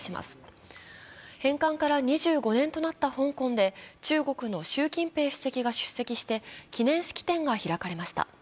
返還から２５年となった香港で中国の習近平主席が出席して記念式典が開かれました。